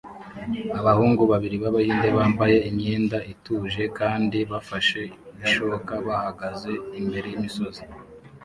Abahungu babiri b'Abahinde bambaye imyenda ituje kandi bafashe ishoka bahagaze imbere y'imisozi